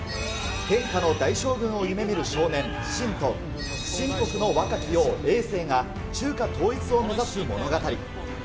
天下の大将軍を夢みる少年、信と、秦国の若き王、えい政が中華統一を目指す物語。